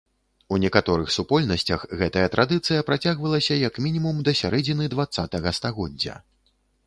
У некаторых супольнасцях гэтая традыцыя працягвалася як мінімум да сярэдзіны дваццатага стагоддзя.